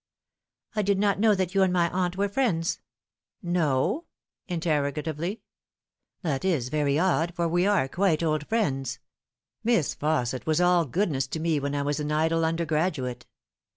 " I did not know that you and my aunt were friends." " No ?" interrogatively. " That is very odd, for we are quite old friends. Miss Fausset was all goodness to me when I was an idle undergraduate."